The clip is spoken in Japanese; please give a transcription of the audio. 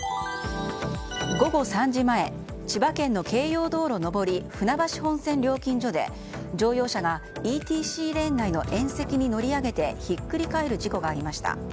午後３時前、千葉県の京葉道路上り船橋本線料金所で乗用車がＥＴＣレーン内の縁石に乗り上げてひっくり返る事故がありました。